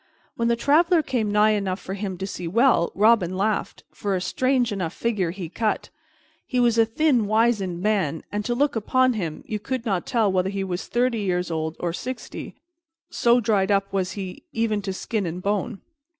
When the traveler came nigh enough for him to see him well, Robin laughed, for a strange enough figure he cut. He was a thin, wizened man, and, to look upon him, you could not tell whether he was thirty years old or sixty, so dried up was he even to skin and bone.